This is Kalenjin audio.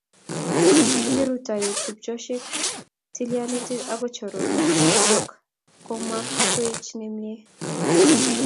Kirutoiyweech tupchosyek, tilyanutiik ako choronook ak komakweech nemie.